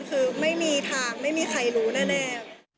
คือไม่มีทางไม่มีใครรู้แน่